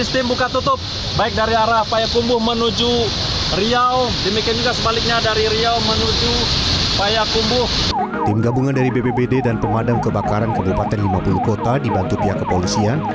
tim gabungan dari bbbd dan pemadam kebakaran kabupaten lima puluh kota dibantu pihak kepolisian